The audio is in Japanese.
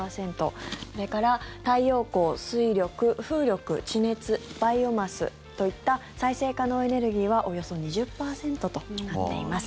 それから太陽光、水力、風力地熱、バイオマスといった再生可能エネルギーはおよそ２０％となっています。